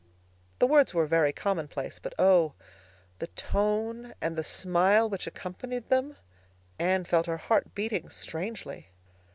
The words were very commonplace, but oh, the tone! And the smile which accompanied them! Anne felt her heart beating strangely.